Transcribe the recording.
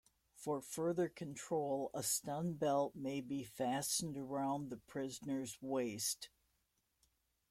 For further control, a stun belt may be fastened around the prisoner's waist.